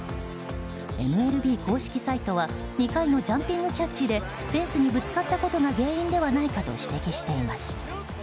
ＭＬＢ公式サイトは２回のジャンピングキャッチでフェンスにぶつかったことが原因ではないかと指摘しています。